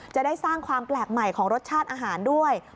จะได้สร้างความแปลกใหม่ของรสชาติอาหารด้วย